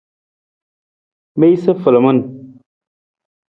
Miisa falaman.